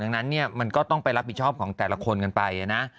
ดังนั้นเนี่ยมันก็ต้องไปรับผิดชอบของแต่ละคนกันไปนะ